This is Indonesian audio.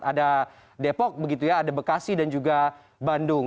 ada depok begitu ya ada bekasi dan juga bandung